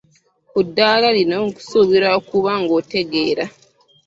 Ku ddaala lino nkusuubira okuba ng'otegeera.